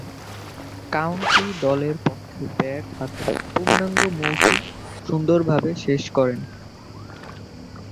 County দলের পক্ষে bat হাতে পূর্ণাঙ্গ মৌসুম সুন্দরভাবে শেষ করেন।